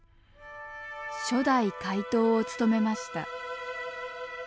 初代会頭を務めました。